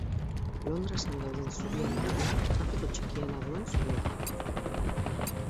Londresen dauden zubien artean trafiko txikiena duen zubia da.